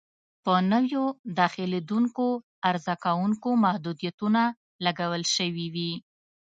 په نویو داخلېدونکو عرضه کوونکو محدودیتونه لګول شوي وي.